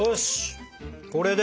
これで？